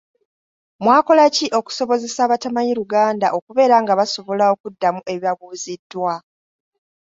Mwakola ki okusobozesa abatamanyi Luganda okubeera nga basobola okuddamu ebibabuuziddwa?